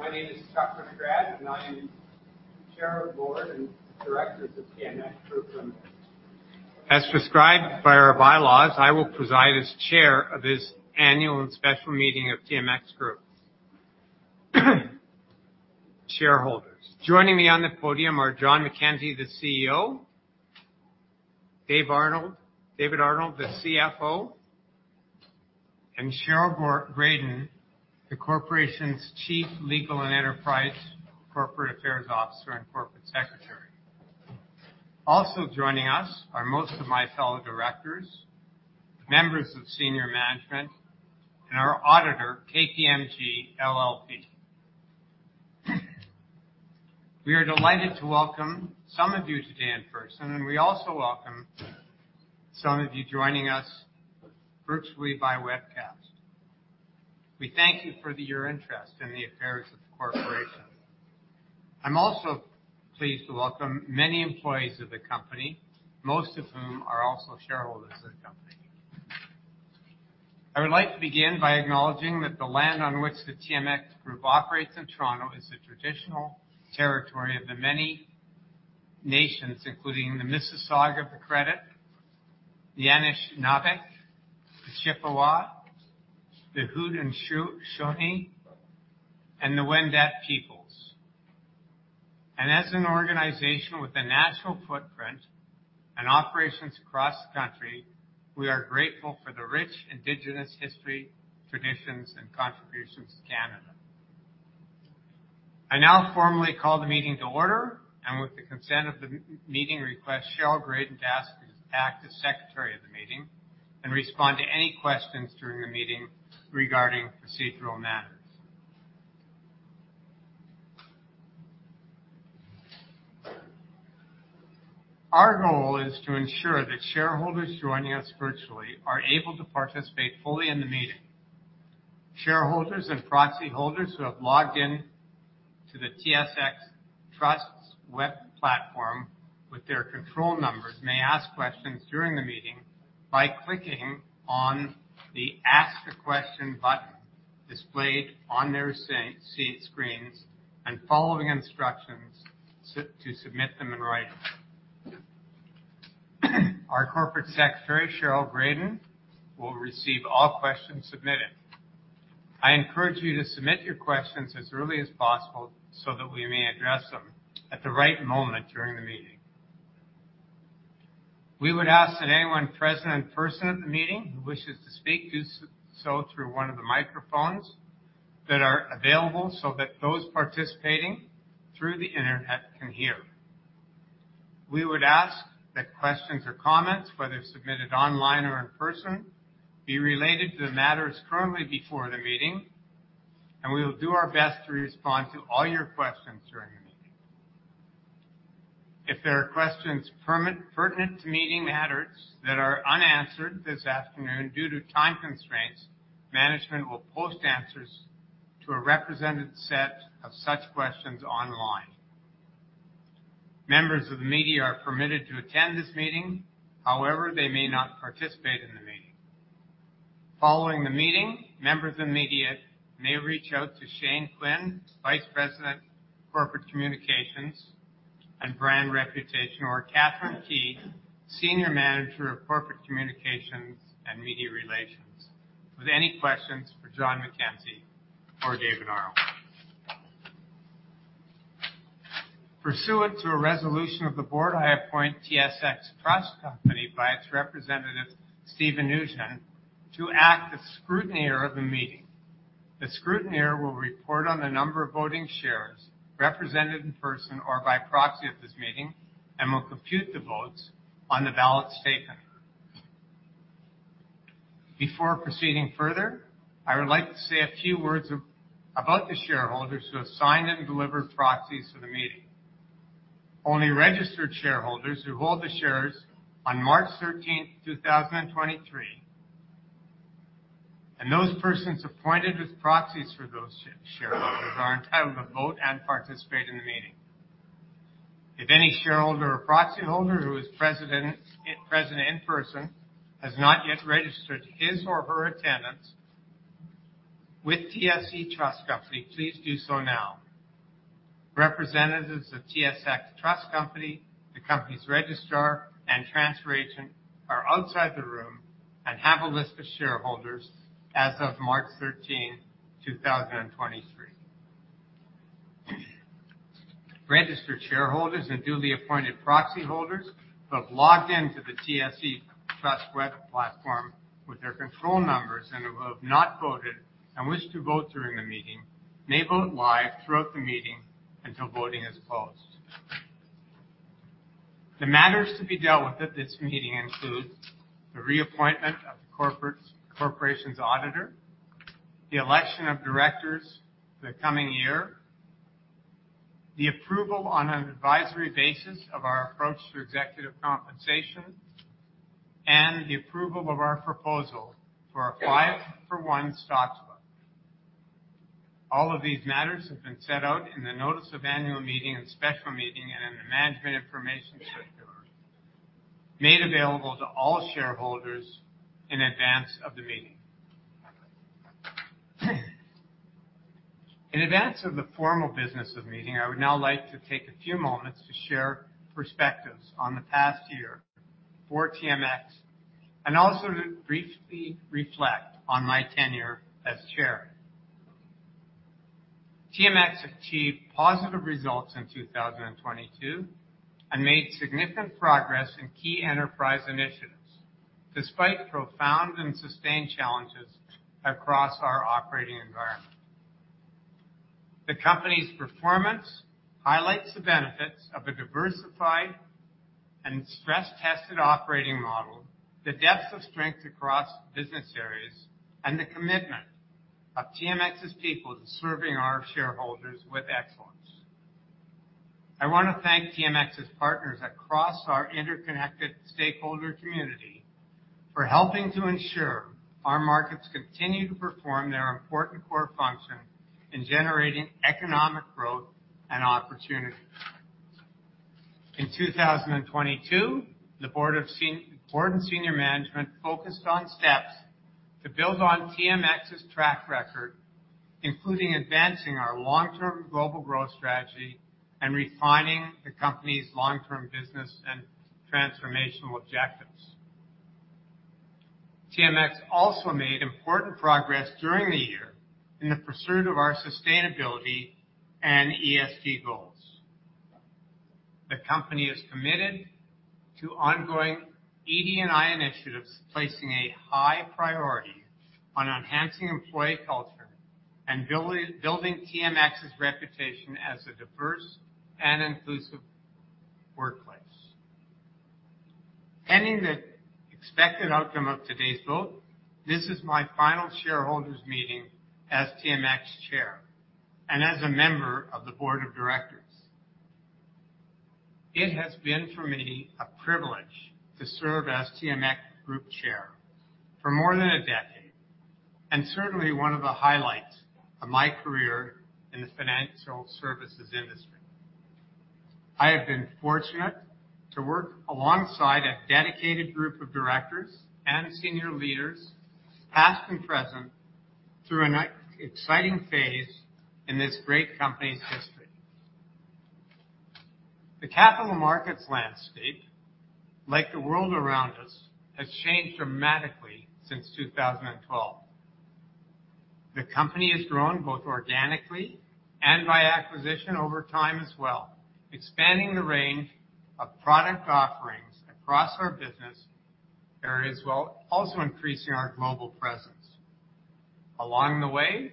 My name is Charles Winograd, and I am Chair of the Board and Directors of TMX Group Limited. As prescribed by our bylaws, I will preside as Chair of this annual and special meeting of TMX Group Shareholders. Joining me on the podium are John McKenzie, the CEO, David Arnold, the CFO, and Cheryl Gradel, the corporation's Chief Legal and Enterprise Corporate Affairs Officer and Corporate Secretary. Also joining us are most of my fellow directors, members of senior management and our auditor, KPMG LLP. We are delighted to welcome some of you today in-person, and we also welcome some of you joining us virtually by webcast. We thank you for your interest in the affairs of the corporation. I'm also pleased to welcome many employees of the company, most of whom are also shareholders of the company. I would like to begin by acknowledging that the land on which the TMX Group operates in Toronto is the traditional territory of the many nations, including the Mississauga of the Credit, the Anishinaabeg, the Chippewa, the Haudenosaunee, and the Wendat peoples. As an organization with a natural footprint and operations across the country, we are grateful for the rich indigenous history, traditions, and contributions to Canada. I now formally call the meeting to order, and with the consent of the meeting request, Cheryl Graddon to ask to act as secretary of the meeting and respond to any questions during the meeting regarding procedural matters. Our goal is to ensure that shareholders joining us virtually are able to participate fully in the meeting. Shareholders and proxy holders who have logged in to the TSX Trust web platform with their control numbers may ask questions during the meeting by clicking on the Ask a Question button displayed on their screens and following instructions to submit them in writing. Our corporate secretary, Cheryl Graden, will receive all questions submitted. I encourage you to submit your questions as early as possible so that we may address them at the right moment during the meeting. We would ask that anyone present and person at the meeting who wishes to speak, do so through one of the microphones that are available so that those participating through the Internet can hear. We would ask that questions or comments, whether submitted online or in person, be related to the matters currently before the meeting. We will do our best to respond to all your questions during the meeting. If there are questions pertinent to meeting matters that are unanswered this afternoon due to time constraints, management will post answers to a represented set of such questions online. Members of the media are permitted to attend this meeting. However, they may not participate in the meeting. Following the meeting, members of the media may reach out to Shane Quinn, Vice President, Corporate Communications and Brand Reputation, or Catherine Kee, Senior Manager of Corporate Communications and Media Relations, with any questions for John McKenzie or David Arnold. Pursuant to a resolution of the board, I appoint TSX Trust Company by its representative, Steven Nugent, to act as scrutineer of the meeting. The scrutineer will report on the number of voting shares represented in person or by proxy at this meeting and will compute the votes on the ballot statement. Before proceeding further, I would like to say a few words about the shareholders who have signed and delivered proxies to the meeting. Only registered shareholders who hold the shares on March 13, 2023, and those persons appointed as proxies for those shareholders are entitled to vote and participate in the meeting. If any shareholder or proxy holder who is present in person has not yet registered his or her attendance with TSX Trust Company, please do so now. Representatives of TSX Trust Company, the company's registrar and transfer agent are outside the room and have a list of shareholders as of March 13, 2023. Registered shareholders and duly appointed proxy holders who have logged in to the TSX Trust web platform with their control numbers and who have not voted and wish to vote during the meeting, may vote live throughout the meeting until voting is closed. The matters to be dealt with at this meeting include the reappointment of the corporation's auditor, the election of directors for the coming year, the approval on an advisory basis of our approach to executive compensation, and the approval of our proposal for a 5-for-1 stock split. All of these matters have been set out in the notice of annual meeting and special meeting and in the Management Information Circular made available to all shareholders in advance of the meeting. In advance of the formal business of meeting, I would now like to take a few moments to share perspectives on the past year for TMX, and also to briefly reflect on my tenure as chair. TMX achieved positive results in 2022 and made significant progress in key enterprise initiatives despite profound and sustained challenges across our operating environment. The company's performance highlights the benefits of a diversified and stress-tested operating model, the depth of strength across business areas, and the commitment of TMX's people to serving our shareholders with excellence. I wanna thank TMX's partners across our interconnected stakeholder community for helping to ensure our markets continue to perform their important core function in generating economic growth and opportunity. In 2022, the board and senior management focused on steps to build on TMX's track record, including advancing our long-term global growth strategy and refining the company's long-term business and transformational objectives. TMX also made important progress during the year in the pursuit of our sustainability and ESG goals. The company is committed to ongoing ED&I initiatives, placing a high priority on enhancing employee culture and building TMX's reputation as a diverse and inclusive workplace. Pending the expected outcome of today's vote, this is my final shareholders' meeting as TMX Chair and as a member of the board of directors. It has been, for me, a privilege to serve as TMX Group Chair for more than a decade, and certainly one of the highlights of my career in the financial services industry. I have been fortunate to work alongside a dedicated group of directors and senior leaders, past and present, through an exciting phase in this great company's history. The capital markets landscape, like the world around us, has changed dramatically since 2012. The company has grown both organically and by acquisition over time as well, expanding the range of product offerings across our business areas, while also increasing our global presence. Along the way,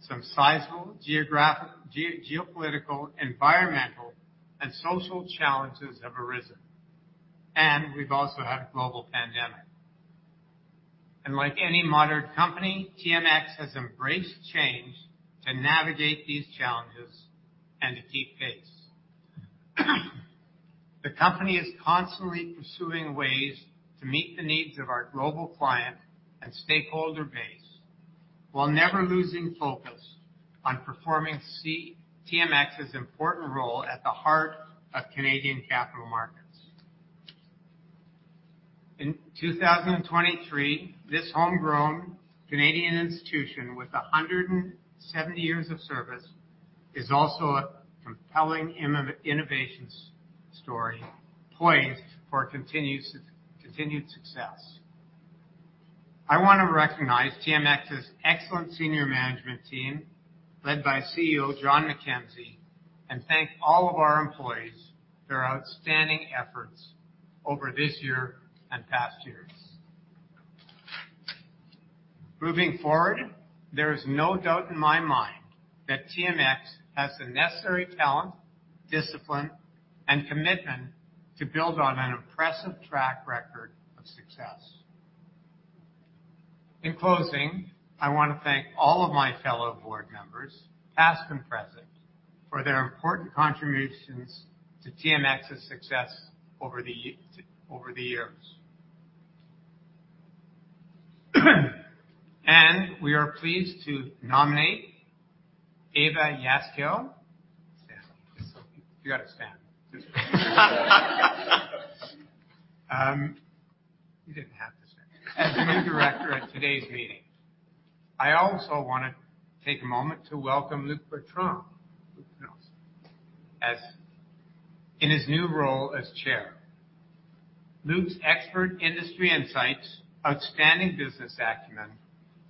some sizable geographic, geopolitical, environmental, and social challenges have arisen. We've also had a global pandemic. Like any modern company, TMX has embraced change to navigate these challenges and to keep pace. The company is constantly pursuing ways to meet the needs of our global client and stakeholder base while never losing focus on performing TMX's important role at the heart of Canadian capital markets. In 2023, this homegrown Canadian institution with 170 years of service is also a compelling innovation story poised for continued success. I wanna recognize TMX's excellent senior management team, led by CEO John McKenzie, and thank all of our employees for their outstanding efforts over this year and past years. Moving forward, there is no doubt in my mind that TMX has the necessary talent, discipline, and commitment to build on an impressive track record of success. In closing, I wanna thank all of my fellow board members, past and present, for their important contributions to TMX's success over the years. We are pleased to nominate Ava Yaskiel. You gotta stand. You didn't have to stand. As a new director at today's meeting. I also want to take a moment to welcome Luc Bertrand in his new role as chair. Luc's expert industry insights, outstanding business acumen,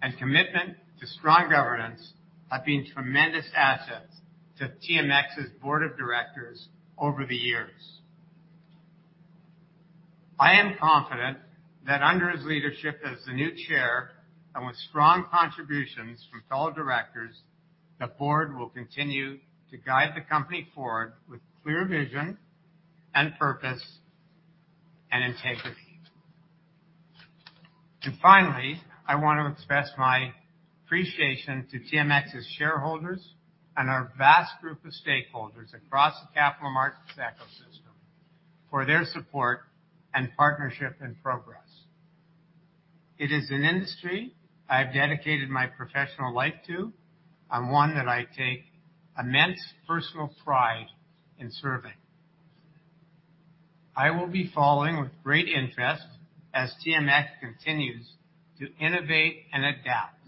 and commitment to strong governance have been tremendous assets to TMX's board of directors over the years. I am confident that under his leadership as the new chair, and with strong contributions from fellow directors, the board will continue to guide the company forward with clear vision and purpose and integrity. Finally, I want to express my appreciation to TMX's shareholders and our vast group of stakeholders across the capital markets ecosystem for their support and partnership and progress. It is an industry I have dedicated my professional life to and one that I take immense personal pride in serving. I will be following with great interest as TMX continues to innovate and adapt,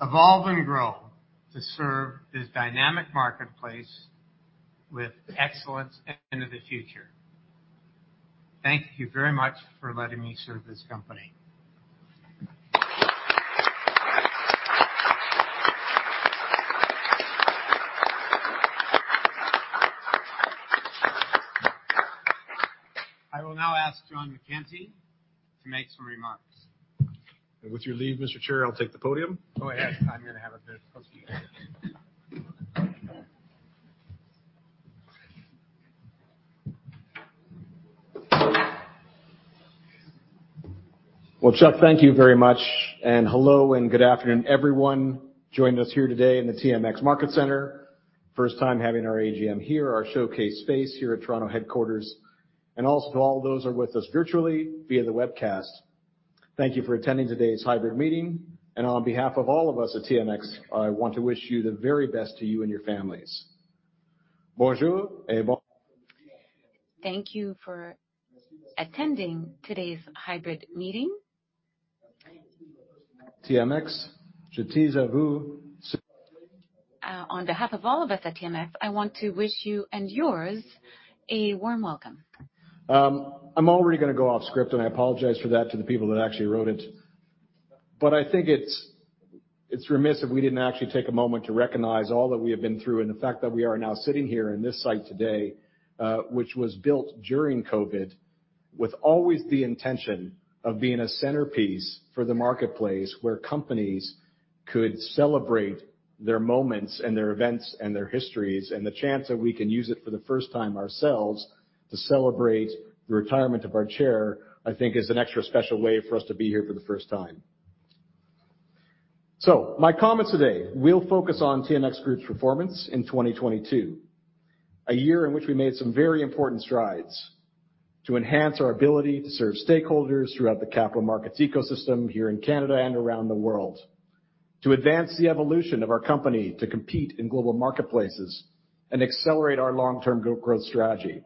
evolve and grow to serve this dynamic marketplace with excellence into the future. Thank you very much for letting me serve this company. I will now ask John McKenzie to make some remarks. With your leave, Mr. Chair, I'll take the podium. Go ahead. I'm gonna have a bit of. Well, Chuck Winograd, thank you very much, and hello and good afternoon, everyone. Joining us here today in the TMX Market Center, first time having our AGM here, our showcase space here at Toronto headquarters, and also to all those are with us virtually via the webcast. Thank you for attending today's hybrid meeting. On behalf of all of us at TMX, I want to wish you the very best to you and your families. Thank you for attending today's hybrid meeting. TMX, je tease a vous- On behalf of all of us at TMX, I want to wish you and yours a warm welcome. I'm already gonna go off script, and I apologize for that to the people that actually wrote it. I think it's remiss if we didn't actually take a moment to recognize all that we have been through and the fact that we are now sitting here in this site today, which was built during COVID, with always the intention of being a centerpiece for the marketplace where companies could celebrate their moments and their events and their histories, and the chance that we can use it for the first time ourselves to celebrate the retirement of our chair, I think is an extra special way for us to be here for the first time. My comments today will focus on TMX Group's performance in 2022, a year in which we made some very important strides to enhance our ability to serve stakeholders throughout the capital markets ecosystem here in Canada and around the world, to advance the evolution of our company to compete in global marketplaces and accelerate our long-term growth strategy.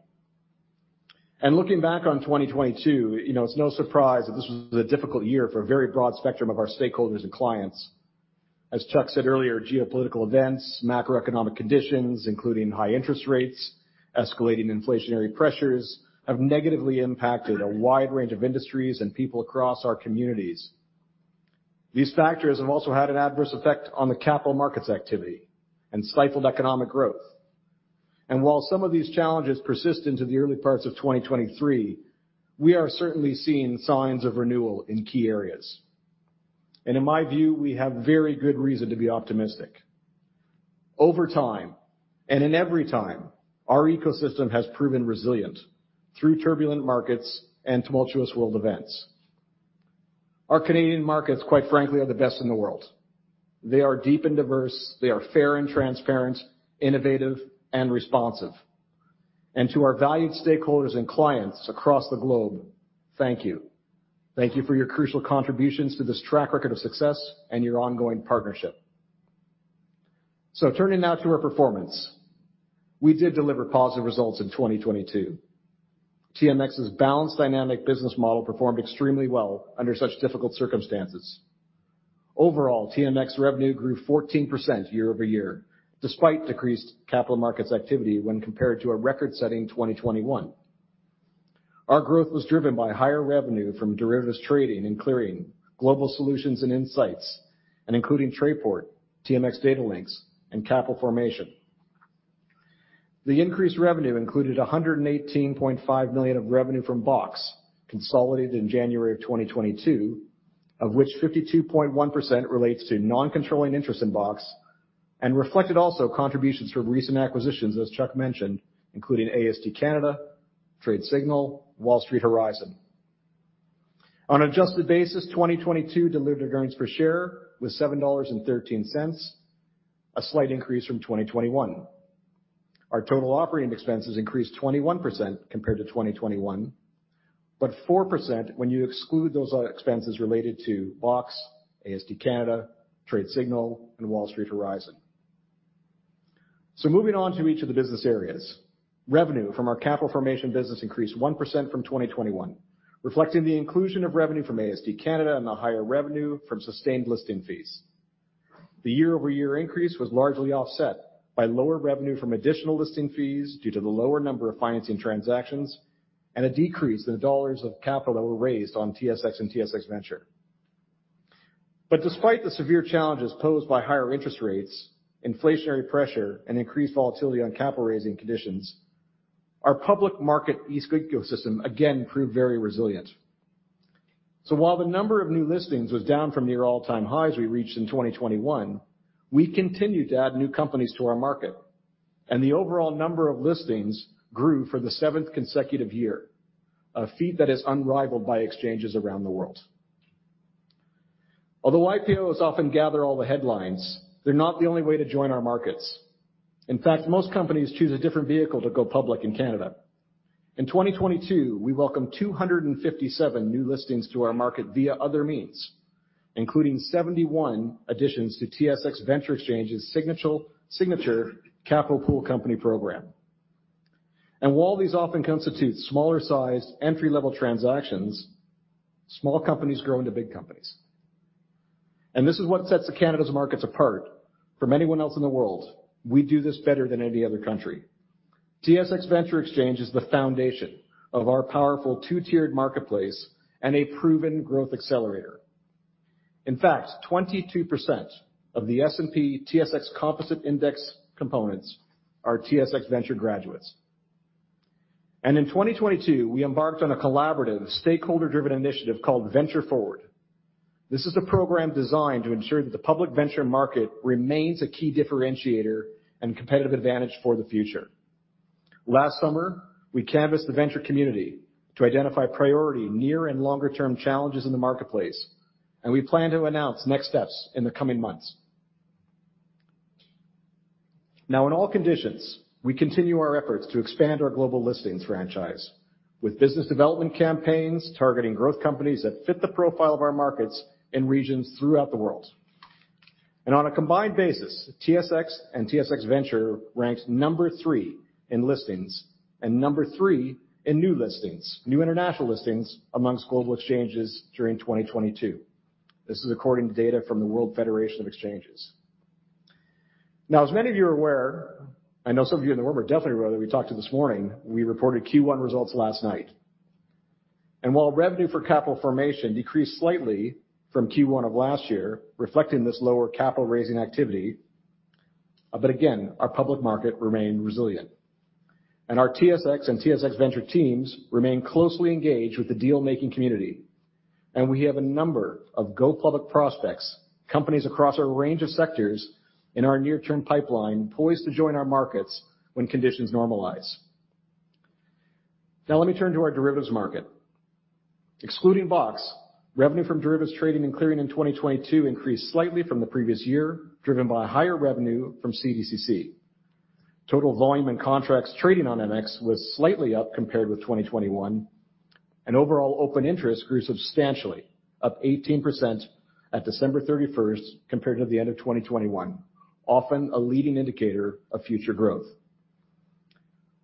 Looking back on 2022, you know, it's no surprise that this was a difficult year for a very broad spectrum of our stakeholders and clients. As Chuck said earlier, geopolitical events, macroeconomic conditions, including high interest rates, escalating inflationary pressures, have negatively impacted a wide range of industries and people across our communities. These factors have also had an adverse effect on the capital markets activity and stifled economic growth. While some of these challenges persist into the early parts of 2023, we are certainly seeing signs of renewal in key areas. In my view, we have very good reason to be optimistic. Over time, and in every time, our ecosystem has proven resilient through turbulent markets and tumultuous world events. Our Canadian markets, quite frankly, are the best in the world. They are deep and diverse. They are fair and transparent, innovative and responsive. To our valued stakeholders and clients across the globe, thank you. Thank you for your crucial contributions to this track record of success and your ongoing partnership. Turning now to our performance. We did deliver positive results in 2022. TMX's balanced dynamic business model performed extremely well under such difficult circumstances. Overall, TMX revenue grew 14% year-over-year, despite decreased capital markets activity when compared to a record-setting 2021. Our growth was driven by higher revenue from derivatives trading and clearing global solutions and insights, including Trayport, TMX Datalinx and capital formation. The increased revenue included 118.5 million of revenue from BOX, consolidated in January of 2022, of which 52.1% relates to non-controlling interest in BOX, reflected also contributions from recent acquisitions, as Chuck mentioned, including AST Canada, Tradesignal, Wall Street Horizon. On an adjusted basis, 2022 delivered earnings per share with 7.13 dollars, a slight increase from 2021. Our total operating expenses increased 21% compared to 2021, 4% when you exclude those expenses related to BOX, AST Canada, Tradesignal, and Wall Street Horizon. Moving on to each of the business areas. Revenue from our capital formation business increased 1% from 2021, reflecting the inclusion of revenue from AST Canada and the higher revenue from sustained listing fees. The year-over-year increase was largely offset by lower revenue from additional listing fees due to the lower number of financing transactions and a decrease in the dollars of capital that were raised on TSX and TSX Venture. Despite the severe challenges posed by higher interest rates, inflationary pressure, and increased volatility on capital raising conditions, our public market ecosystem again proved very resilient. While the number of new listings was down from near all-time highs we reached in 2021, we continued to add new companies to our market, and the overall number of listings grew for the 7th consecutive year, a feat that is unrivaled by exchanges around the world. Although IPOs often gather all the headlines, they're not the only way to join our markets. In fact, most companies choose a different vehicle to go public in Canada. In 2022, we welcomed 257 new listings to our market via other means, including 71 additions to TSX Venture Exchange's signature Capital Pool Company program. While these often constitute smaller sized entry-level transactions, small companies grow into big companies. This is what sets the Canada's markets apart from anyone else in the world. We do this better than any other country. TSX Venture Exchange is the foundation of our powerful two-tiered marketplace and a proven growth accelerator. In fact, 22% of the S&P/TSX Composite Index components are TSX Venture graduates. In 2022, we embarked on a collaborative stakeholder-driven initiative called Venture Forward. This is a program designed to ensure that the public venture market remains a key differentiator and competitive advantage for the future. Last summer, we canvassed the venture community to identify priority near and longer-term challenges in the marketplace, and we plan to announce next steps in the coming months. In all conditions, we continue our efforts to expand our global listings franchise with business development campaigns targeting growth companies that fit the profile of our markets in regions throughout the world. On a combined basis, TSX and TSX Venture ranked number three in listings and number three in new international listings amongst global exchanges during 2022. This is according to data from the World Federation of Exchanges. As many of you are aware, I know some of you in the room are definitely aware that we talked to this morning, we reported Q1 results last night. While revenue for capital formation decreased slightly from Q1 of last year, reflecting this lower capital raising activity, but again, our public market remained resilient. Our TSX and TSX Venture teams remain closely engaged with the deal-making community, and we have a number of go-public prospects, companies across a range of sectors in our near-term pipeline poised to join our markets when conditions normalize. Let me turn to our derivatives market. Excluding BOX, revenue from derivatives trading and clearing in 2022 increased slightly from the previous year, driven by higher revenue from CDCC. Total volume and contracts trading on MX was slightly up compared with 2021, and overall open interest grew substantially, up 18% at December 31st compared to the end of 2021, often a leading indicator of future growth.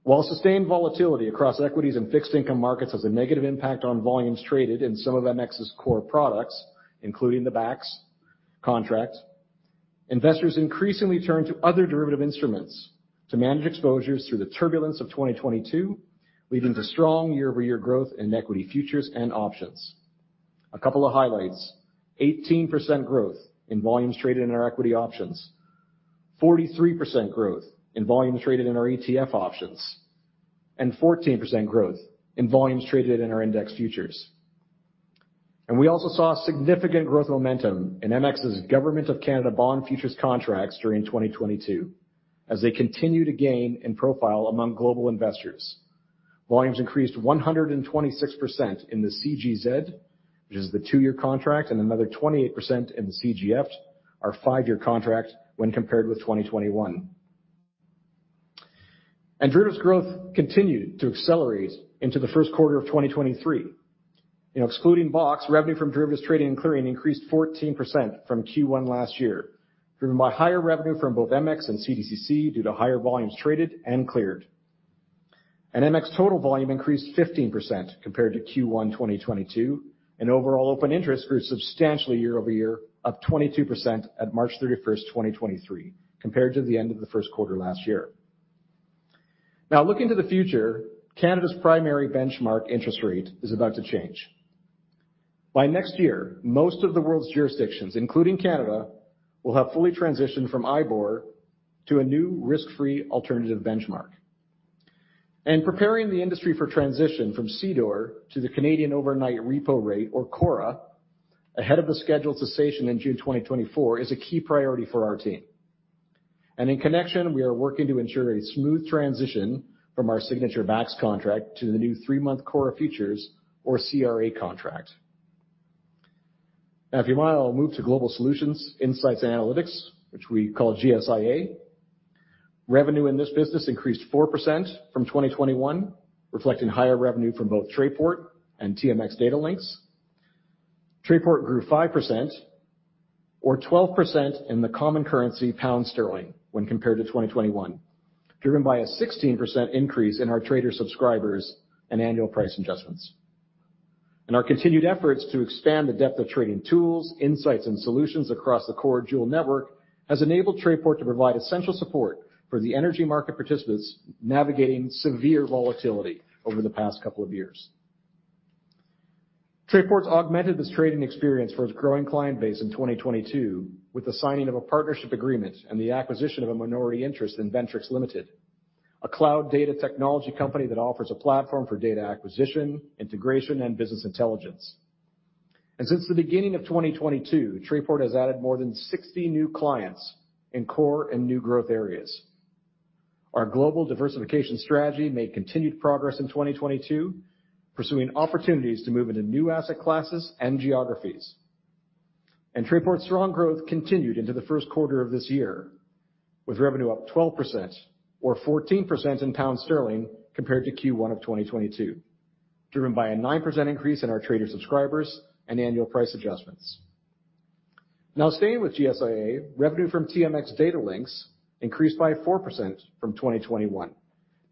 While sustained volatility across equities and fixed income markets has a negative impact on volumes traded in some of MX's core products, including the BAX contract, investors increasingly turn to other derivative instruments to manage exposures through the turbulence of 2022, leading to strong year-over-year growth in equity futures and options. A couple of highlights. 18% growth in volumes traded in our equity options. 43% growth in volumes traded in our ETF options. 14% growth in volumes traded in our index futures. We also saw significant growth momentum in MX's Government of Canada bond futures contracts during 2022, as they continue to gain in profile among global investors. Volumes increased 126% in the CGZ, which is the 2-year contract, and another 28% in the CGF, our 5-year contract, when compared with 2021. Derivatives growth continued to accelerate into the first quarter of 2023. You know, excluding BOX, revenue from derivatives trading and clearing increased 14% from Q1 last year, driven by higher revenue from both MX and CDCC due to higher volumes traded and cleared. MX total volume increased 15% compared to Q1 2022, and overall open interest grew substantially year-over-year of 22% at March 31, 2023, compared to the end of the first quarter last year. Now looking to the future, Canada's primary benchmark interest rate is about to change. By next year, most of the world's jurisdictions, including Canada, will have fully transitioned from IBOR to a new risk-free alternative benchmark. Preparing the industry for transition from CDOR to the Canadian Overnight Repo Rate, or CORA, ahead of the scheduled cessation in June 2024, is a key priority for our team. In connection, we are working to ensure a smooth transition from our signature BAX contract to the new three-month CORA futures or CRA contract. Now if you want, I'll move to global solutions, insights and analytics, which we call GSIA. Revenue in this business increased 4% from 2021, reflecting higher revenue from both Trayport and TMX Datalinx. Trayport grew 5% or 12% in the common currency GBP when compared to 2021, driven by a 16% increase in our trader subscribers and annual price adjustments. Our continued efforts to expand the depth of trading tools, insights, and solutions across the core Joule network has enabled Trayport to provide essential support for the energy market participants navigating severe volatility over the past couple of years. Trayport's augmented this trading experience for its growing client base in 2022 with the signing of a partnership agreement and the acquisition of a minority interest in Ventrix Ltd, a cloud data technology company that offers a platform for data acquisition, integration, and business intelligence. Since the beginning of 2022, Trayport has added more than 60 new clients in core and new growth areas. Our global diversification strategy made continued progress in 2022, pursuing opportunities to move into new asset classes and geographies. Trayport's strong growth continued into the first quarter of this year, with revenue up 12% or 14% in GBP compared to Q1 of 2022, driven by a 9% increase in our trader subscribers and annual price adjustments. Staying with GSIA, revenue from TMX Datalinx increased by 4% from 2021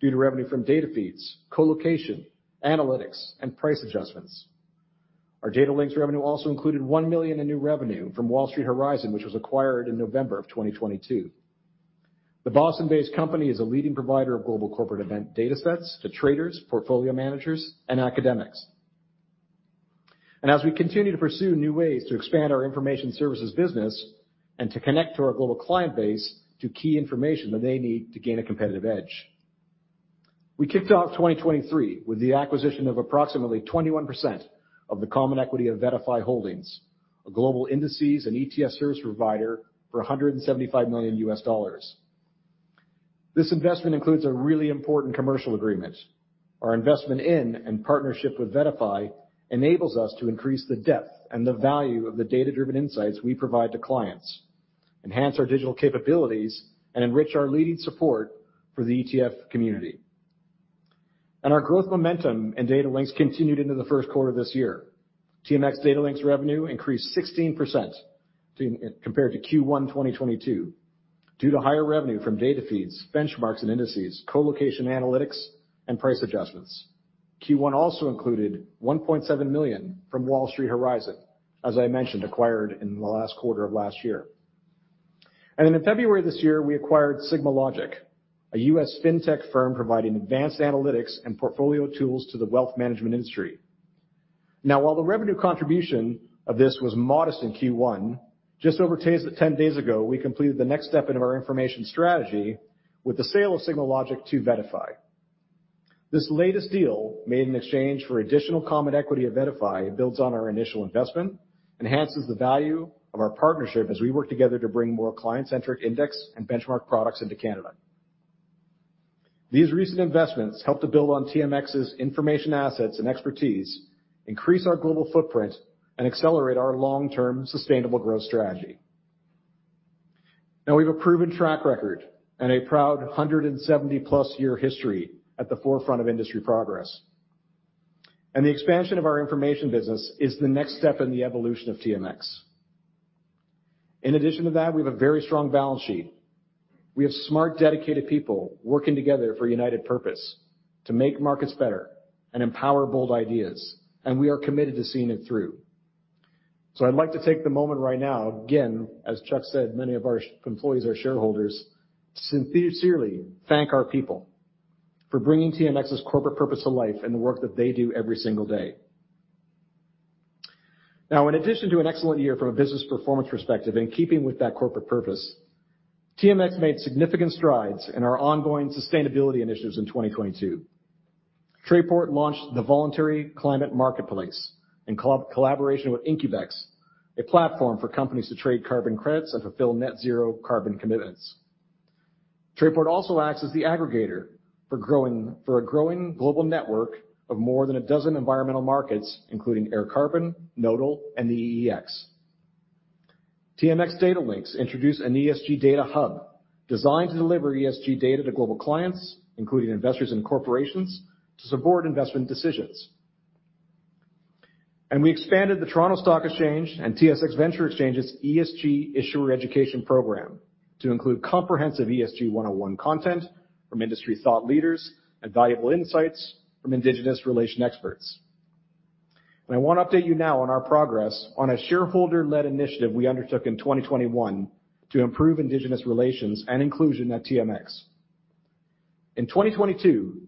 due to revenue from data feeds, co-location, analytics, and price adjustments. Our Datalinx revenue also included 1 million in new revenue from Wall Street Horizon, which was acquired in November of 2022. The Boston-based company is a leading provider of global corporate event datasets to traders, portfolio managers, and academics. As we continue to pursue new ways to expand our information services business and to connect to our global client base to key information that they need to gain a competitive edge. We kicked off 2023 with the acquisition of approximately 21% of the common equity of VettaFi Holdings, a global indices and ETF service provider for $175 million. This investment includes a really important commercial agreement. Our investment in and partnership with VettaFi enables us to increase the depth and the value of the data-driven insights we provide to clients, enhance our digital capabilities, and enrich our leading support for the ETF community. Our growth momentum in TMX Datalinx continued into the first quarter of this year. TMX Datalinx revenue increased 16% compared to Q1 2022 due to higher revenue from data feeds, benchmarks and indices, colocation analytics, and price adjustments. Q1 also included $1.7 million from Wall Street Horizon, as I mentioned, acquired in the last quarter of last year. In February this year, we acquired SigmaLogic, a U.S. fintech firm providing advanced analytics and portfolio tools to the wealth management industry. While the revenue contribution of this was modest in Q1, just over ten days ago, we completed the next step in our information strategy with the sale of SigmaLogic to VettaFi. This latest deal, made in exchange for additional common equity of VettaFi, builds on our initial investment, enhances the value of our partnership as we work together to bring more client-centric index and benchmark products into Canada. These recent investments help to build on TMX's information assets and expertise, increase our global footprint, and accelerate our long-term sustainable growth strategy. We've a proven track record and a proud 170-plus year history at the forefront of industry progress. The expansion of our information business is the next step in the evolution of TMX. In addition to that, we have a very strong balance sheet. We have smart, dedicated people working together for a united purpose, to make markets better and empower bold ideas, and we are committed to seeing it through. I'd like to take the moment right now, again, as Chuck said, many of our employees are shareholders, sincerely thank our people for bringing TMX's corporate purpose to life and the work that they do every single day. In addition to an excellent year from a business performance perspective, in keeping with that corporate purpose, TMX made significant strides in our ongoing sustainability initiatives in 2022. Trayport launched the Voluntary Climate Marketplace in collaboration with IncubEx, a platform for companies to trade carbon credits and fulfill net zero carbon commitments. Trayport also acts as the aggregator for a growing global network of more than a dozen environmental markets, including AirCarbon, Nodal, and the EEX. TMX Datalinx introduced an ESG Data Hub designed to deliver ESG data to global clients, including investors and corporations, to support investment decisions. We expanded the Toronto Stock Exchange and TSX Venture Exchange's ESG Issuer Education Program to include comprehensive ESG one-on-one content from industry thought leaders and valuable insights from Indigenous relations experts. I wanna update you now on our progress on a shareholder-led initiative we undertook in 2021 to improve indigenous relations and inclusion at TMX. In 2022,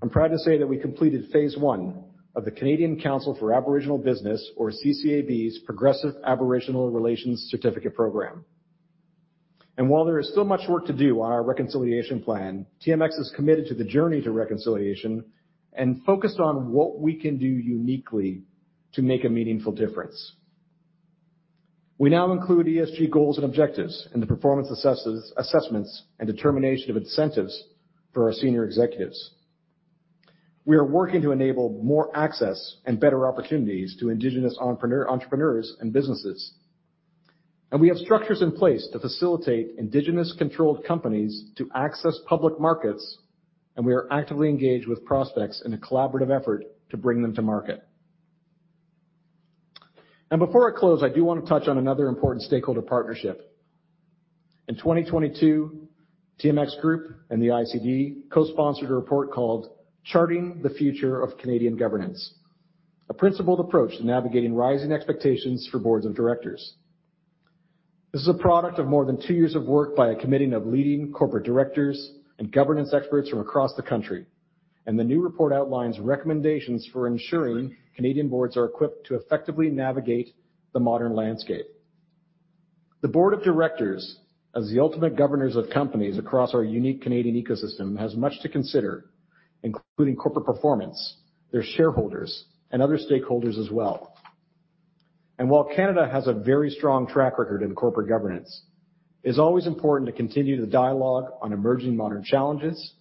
I'm proud to say that we completed phase one of the Canadian Council for Aboriginal Business, or CCAB's, Progressive Aboriginal Relations Certificate program. While there is still much work to do on our reconciliation plan, TMX is committed to the journey to reconciliation and focused on what we can do uniquely to make a meaningful difference. We now include ESG goals and objectives in the performance assessments and determination of incentives for our senior executives. We are working to enable more access and better opportunities to indigenous entrepreneurs and businesses. We have structures in place to facilitate indigenous-controlled companies to access public markets, and we are actively engaged with prospects in a collaborative effort to bring them to market. Before I close, I do want to touch on another important stakeholder partnership. In 2022, TMX Group and the ICD co-sponsored a report called Charting the Future of Canadian Governance: A Principled Approach to Navigating Rising Expectations for Boards of Directors. This is a product of more than two years of work by a committee of leading corporate directors and governance experts from across the country. The new report outlines recommendations for ensuring Canadian boards are equipped to effectively navigate the modern landscape. The board of directors, as the ultimate governors of companies across our unique Canadian ecosystem, has much to consider, including corporate performance, their shareholders, and other stakeholders as well. While Canada has a very strong track record in corporate governance, it's always important to continue the dialogue on emerging modern challenges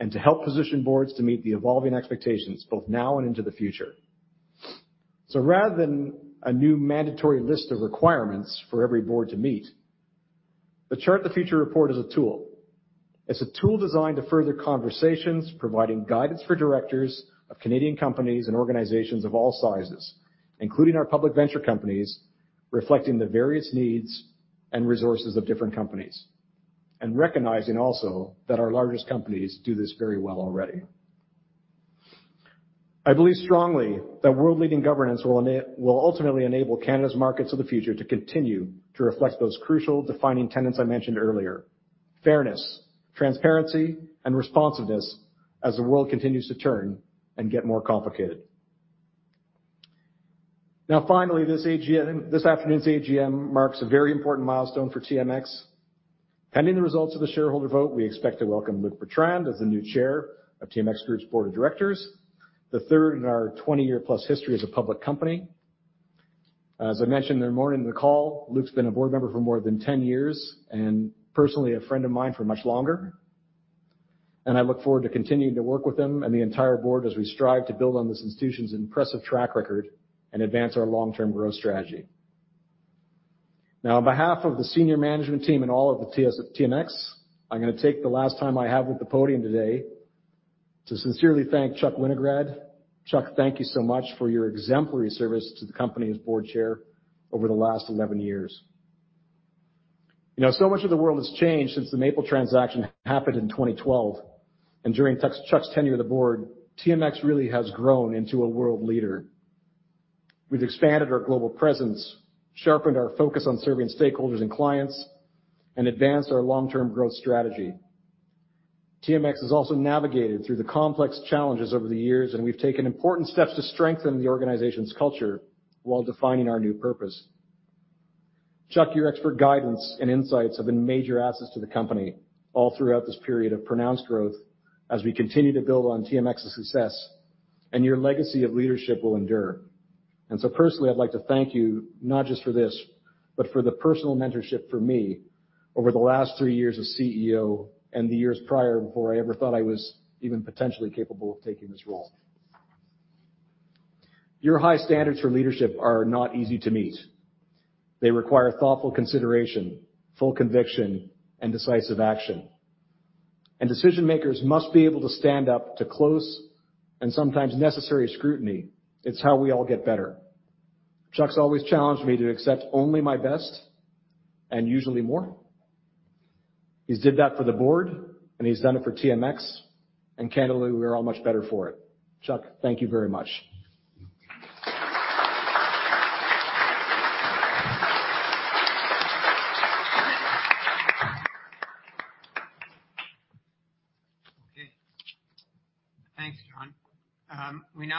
and to help position boards to meet the evolving expectations, both now and into the future. Rather than a new mandatory list of requirements for every board to meet, the Chart the Future report is a tool. It's a tool designed to further conversations, providing guidance for directors of Canadian companies and organizations of all sizes, including our public venture companies, reflecting the various needs and resources of different companies, and recognizing also that our largest companies do this very well already. I believe strongly that world-leading governance will ultimately enable Canada's markets of the future to continue to reflect those crucial defining tenets I mentioned earlier, fairness, transparency, and responsiveness, as the world continues to turn and get more complicated. Finally, this afternoon's AGM marks a very important milestone for TMX. Pending the results of the shareholder vote, we expect to welcome Luc Bertrand as the new Chair of TMX Group's Board of Directors, the third in our 20-year plus history as a public company. As I mentioned earlier in the call, Luc's been a board member for more than 10 years, and personally a friend of mine for much longer, and I look forward to continuing to work with him and the entire Board as we strive to build on this institution's impressive track record and advance our long-term growth strategy. Now, on behalf of the senior management team and all of the TMX, I'm gonna take the last time I have with the podium today to sincerely thank Chuck Winograd. Chuck, thank you so much for your exemplary service to the company as board chair over the last 11 years. You know, so much of the world has changed since the Maple transaction happened in 2012, and during Chuck's tenure on the board, TMX really has grown into a world leader. We've expanded our global presence, sharpened our focus on serving stakeholders and clients, and advanced our long-term growth strategy. TMX has also navigated through the complex challenges over the years, and we've taken important steps to strengthen the organization's culture while defining our new purpose. Chuck, your expert guidance and insights have been major assets to the company all throughout this period of pronounced growth as we continue to build on TMX's success, your legacy of leadership will endure. Personally, I'd like to thank you not just for this, but for the personal mentorship for me over the last 3 years as CEO and the years prior, before I ever thought I was even potentially capable of taking this role. Your high standards for leadership are not easy to meet. They require thoughtful consideration, full conviction, and decisive action. Decision-makers must be able to stand up to close and sometimes necessary scrutiny. It's how we all get better. Chuck's always challenged me to accept only my best, and usually more. He's did that for the board, and he's done it for TMX, and candidly, we're all much better for it. Chuck, thank you very much.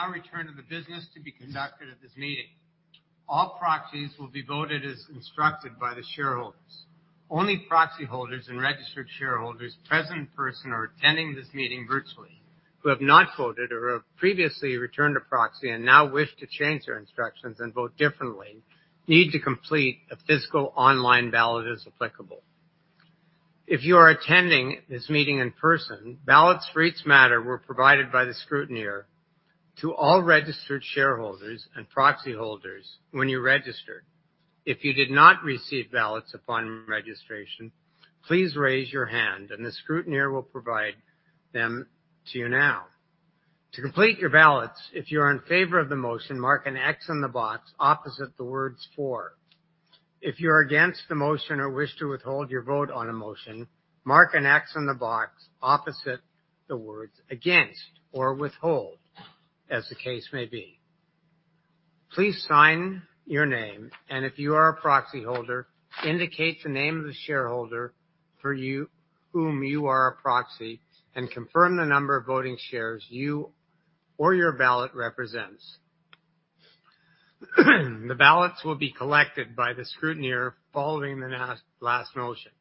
Okay. Thanks, John. We now return to the business to be conducted at this meeting. All proxies will be voted as instructed by the shareholders. Only proxy holders and registered shareholders present in person or attending this meeting virtually who have not voted or have previously returned a proxy and now wish to change their instructions and vote differently need to complete a physical online ballot as applicable. If you are attending this meeting in person, ballots for each matter were provided by the scrutineer to all registered shareholders and proxy holders when you registered. If you did not receive ballots upon registration, please raise your hand and the scrutineer will provide them to you now. To complete your ballots, if you are in favor of the motion, mark an X in the box opposite the words for. If you're against the motion or wish to withhold your vote on a motion, mark an X in the box opposite the words against or withhold, as the case may be. Please sign your name. If you are a proxy holder, indicate the name of the shareholder for whom you are a proxy and confirm the number of voting shares you or your ballot represents. The ballots will be collected by the scrutineer following the last motion.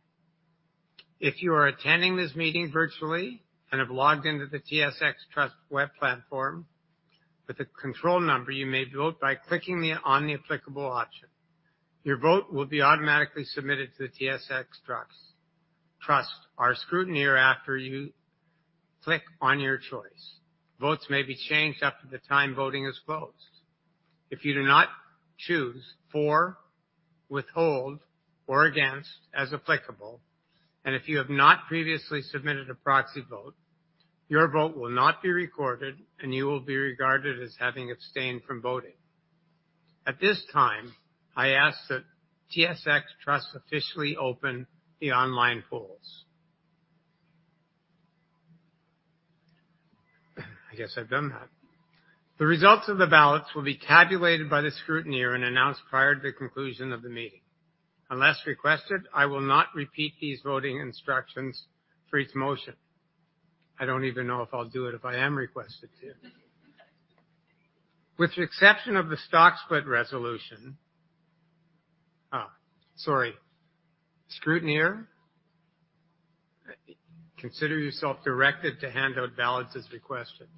If you are attending this meeting virtually and have logged into the TSX Trust web platform with a control number, you may vote by clicking on the applicable option. Your vote will be automatically submitted to the TSX Trust, our scrutineer, after you click on your choice. Votes may be changed after the time voting has closed. If you do not choose for, withhold, or against, as applicable, and if you have not previously submitted a proxy vote, your vote will not be recorded, and you will be regarded as having abstained from voting. At this time, I ask that TSX Trust officially open the online polls. I guess I've done that. The results of the ballots will be tabulated by the scrutineer and announced prior to the conclusion of the meeting. Unless requested, I will not repeat these voting instructions for each motion. I don't even know if I'll do it if I am requested to. With the exception of the stock split resolution... Sorry. Scrutineer. Consider yourself directed to hand out ballots as requested.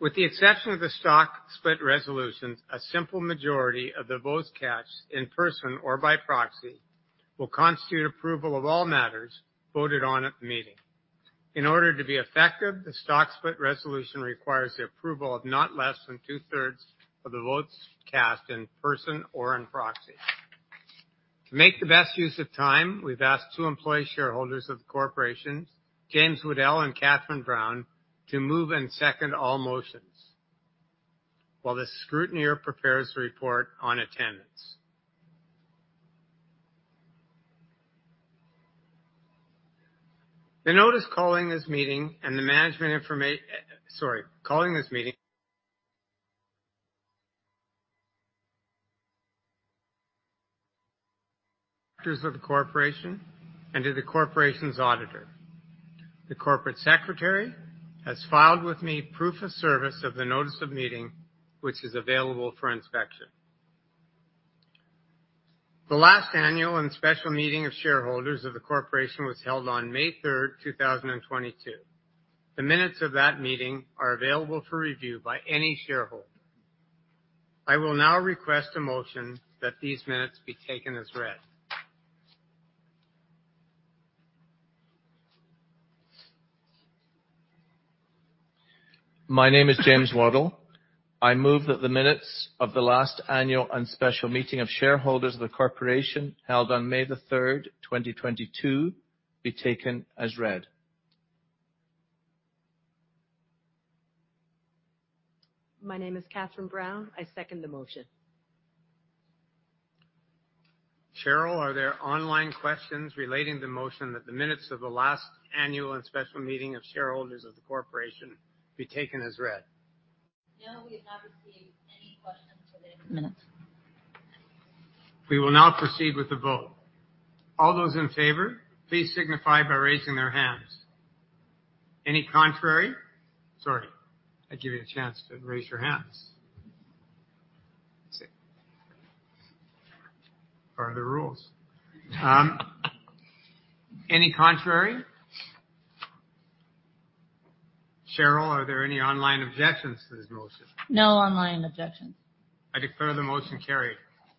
With the exception of the stock split resolutions, a simple majority of the votes cast in person or by proxy will constitute approval of all matters voted on at the meeting. In order to be effective, the stock split resolution requires the approval of not less than two-thirds of the votes cast in person or in proxy. To make the best use of time, we've asked two employee shareholders of the corporations, James Waddell and Kathryn Brown, to move and second all motions while the scrutineer prepares a report on attendance. sorry. Calling this meeting... directors of the corporation and to the corporation's auditor. The corporate secretary has filed with me proof of service of the notice of meeting, which is available for inspection. The last annual and special meeting of shareholders of the corporation was held on May 3rd, 2022. The minutes of that meeting are available for review by any shareholder. I will now request a motion that these minutes be taken as read. My name is James Waddell. I move that the minutes of the last annual and special meeting of shareholders of the corporation held on May the third, 2022 be taken as read. My name is Kathryn Brown. I second the motion. Cheryl, are there online questions relating to the motion that the minutes of the last annual and special meeting of shareholders of the corporation be taken as read? No, we have not received any questions for the minutes. We will now proceed with the vote. All those in favor, please signify by raising their hands. Any contrary? Sorry, I give you a chance to raise your hands. See, part of the rules. Any contrary? Cheryl, are there any online objections to this motion? No online objections. I declare the motion carried.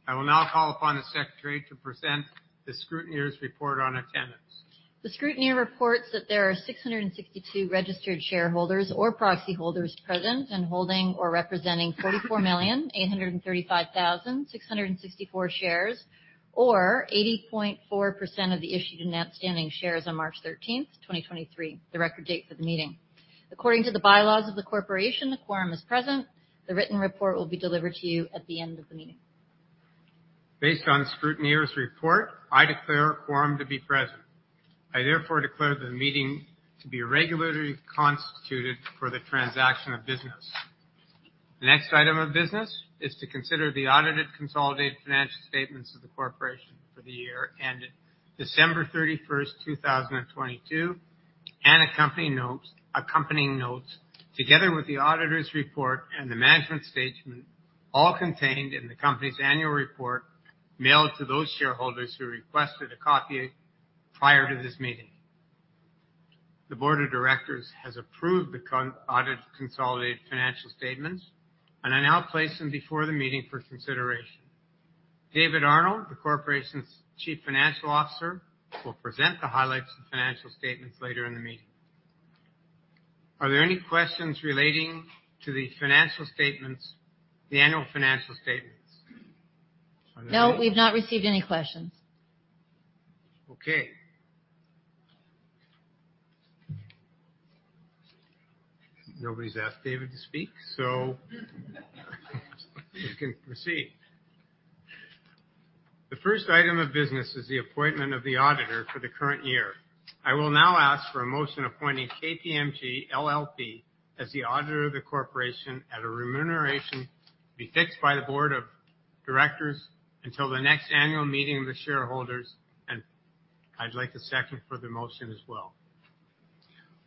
I will now call upon the Secretary to present the scrutineer's report on attendance. The scrutineer reports that there are 662 registered shareholders or proxy holders present and holding or representing 44,835,664 shares, or 80.4% of the issued and outstanding shares on March 13, 2023, the record date for the meeting. According to the bylaws of the corporation, the quorum is present. The written report will be delivered to you at the end of the meeting. Based on the scrutineer's report, I declare a quorum to be present. I therefore declare the meeting to be regularly constituted for the transaction of business. The next item of business is to consider the audited consolidated financial statements of the corporation for the year ended December 31st, 2022, and accompanying notes, together with the auditor's report and the management statement, all contained in the company's annual report, mailed to those shareholders who requested a copy prior to this meeting. The board of directors has approved the audited consolidated financial statements, and I now place them before the meeting for consideration. David Arnold, the corporation's Chief Financial Officer, will present the highlights of financial statements later in the meeting. Are there any questions relating to the annual financial statements? No, we've not received any questions. Okay. Nobody's asked David to speak, so we can proceed. The first item of business is the appointment of the auditor for the current year. I will now ask for a motion appointing KPMG LLP as the auditor of the corporation at a remuneration be fixed by the board of directors until the next annual meeting of the shareholders. I'd like a second for the motion as well.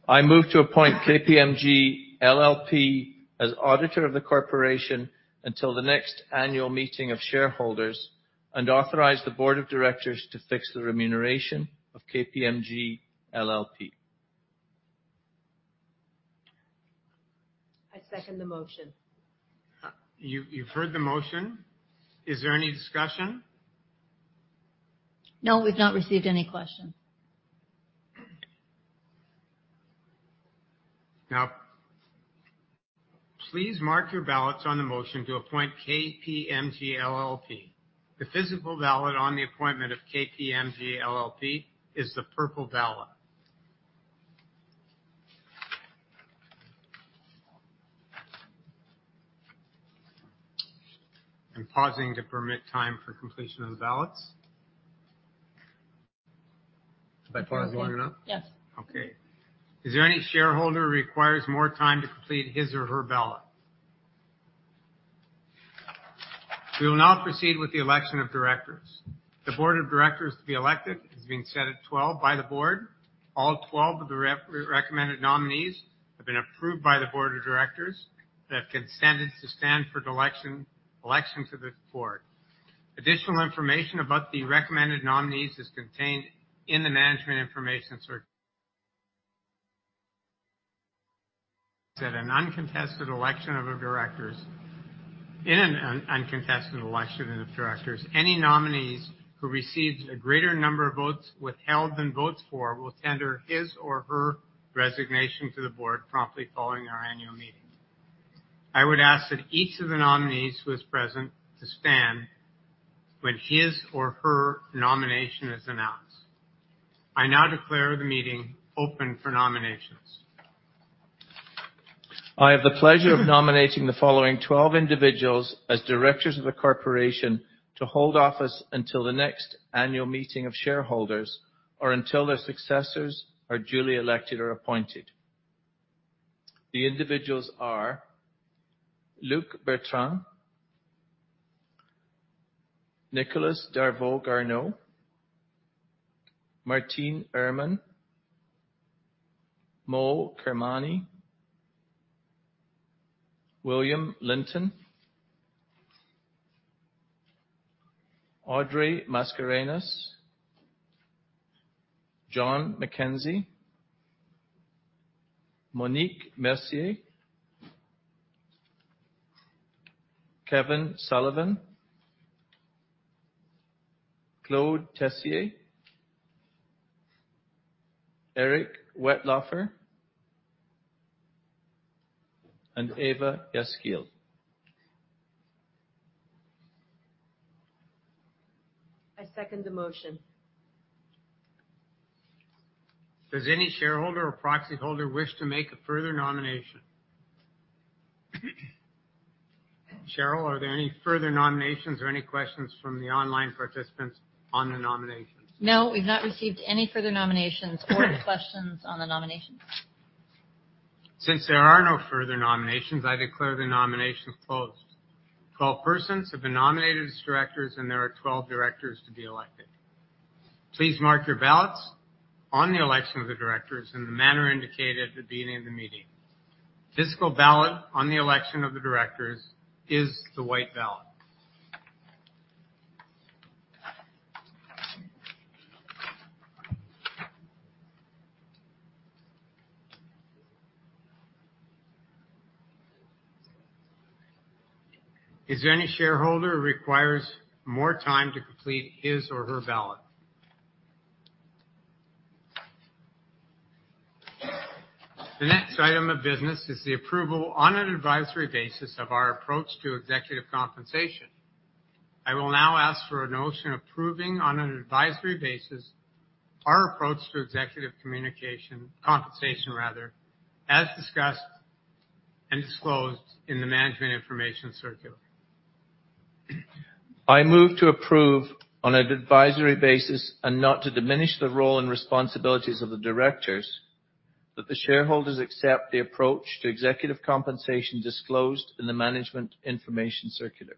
I move to appoint KPMG LLP as auditor of the corporation until the next annual meeting of shareholders and authorize the board of directors to fix the remuneration of KPMG LLP. I second the motion. You've heard the motion. Is there any discussion? No, we've not received any questions. Please mark your ballots on the motion to appoint KPMG LLP. The physical ballot on the appointment of KPMG LLP is the purple ballot. I'm pausing to permit time for completion of the ballots. Have I paused long enough? Yes. Okay. Is there any shareholder who requires more time to complete his or her ballot? We will now proceed with the election of directors. The board of directors to be elected has been set at 12 by the board. All 12 of the recommended nominees have been approved by the board of directors that have consented to stand for the election to the board. Additional information about the recommended nominees is contained in the Management Information Circular. That an uncontested election of the directors. In an uncontested election of directors, any nominees who received a great number of votes withheld than votes for will tender his or her resignation to the board promptly following our annual meeting. I would ask that each of the nominees who is present to stand when his or her nomination is announced. I now declare the meeting open for nominations. I have the pleasure of nominating the following 12 individuals as directors of the corporation to hold office until the next annual meeting of shareholders or until their successors are duly elected or appointed. The individuals are Luc Bertrand, Nicolas Darveau-Garneau, Martine Irman, Moe Kermani, William Linton, Audrey Mascarenhas, John McKenzie, Monique Mercier, Kevin Sullivan, Claude Tessier, Eric Wetlaufer, and Ava Yaskiel. I second the motion. Does any shareholder or proxy holder wish to make a further nomination? Cheryl, are there any further nominations or any questions from the online participants on the nominations? No, we've not received any further nominations or questions on the nominations. Since there are no further nominations, I declare the nominations closed. 12 persons have been nominated as directors, and there are 12 directors to be elected. Please mark your ballots on the election of the directors in the manner indicated at the beginning of the meeting. Physical ballot on the election of the directors is the white ballot. Is there any shareholder who requires more time to complete his or her ballot? The next item of business is the approval on an advisory basis of our approach to executive compensation. I will now ask for a motion approving on an advisory basis our approach to executive communication, compensation rather, as discussed and disclosed in the Management Information Circular. I move to approve on an advisory basis and not to diminish the role and responsibilities of the directors that the shareholders accept the approach to executive compensation disclosed in the Management Information Circular.